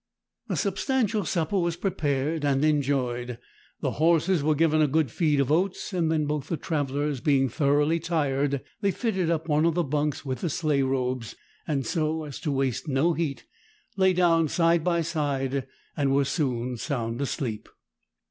A substantial supper was prepared and enjoyed, the horses were given a good feed of oats, and then both the travellers being thoroughly tired, they fitted up one of the bunks with the sleigh robes, and, so as to waste no heat, lay down side by side, and were soon sound asleep.